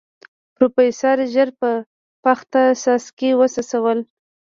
پروفيسر ژر په پخته څاڅکي وڅڅول.